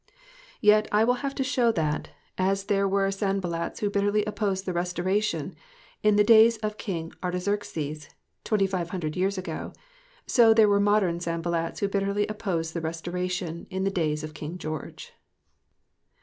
Yet I will have to show that, as there were Sanballats who bitterly opposed the restoration in the days of King Artaxerxes 2,500 years ago, so there were modern Sanballats who bitterly opposed the restoration in the days of King George.